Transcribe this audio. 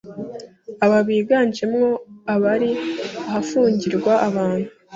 aba biganjemo abari ahafungirwa abantu